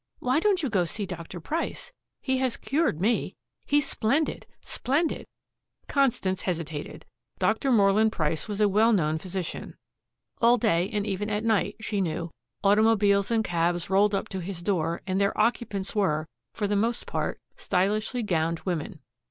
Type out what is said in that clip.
"Why don't you go to see Dr. Price? He has cured me. He's splendid splendid." Constance hesitated. Dr. Moreland Price was a well known physician. All day and even at night, she knew, automobiles and cabs rolled up to his door and their occupants were, for the most part, stylishly gowned women.